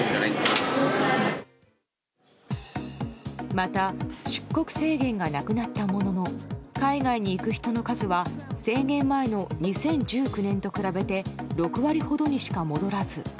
また出国制限がなくなったものの海外に行く人の数は制限前の２０１９年と比べて６割ほどにしか戻らず。